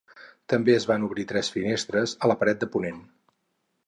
També es van obrir tres finestres a la paret de ponent.